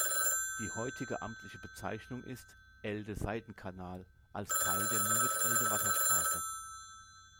Die heutige amtliche Bezeichnung ist "Elde-Seitenkanal" als Teil der Müritz-Elde-Wasserstraße.